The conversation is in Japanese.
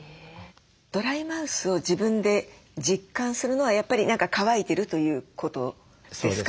ドライマウスを自分で実感するのはやっぱり何か渇いてるということですか？